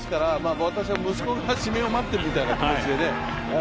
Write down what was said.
私は息子が指名を待っているような気持ちでね。